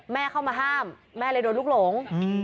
เข้ามาห้ามแม่เลยโดนลูกหลง